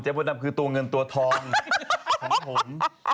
มดดำคือตัวเงินตัวทองของผม